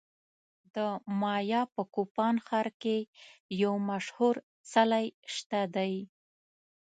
د مایا په کوپان ښار کې یو مشهور څلی شته دی